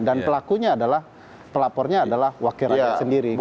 dan pelakunya adalah pelapornya adalah wakil rakyat sendiri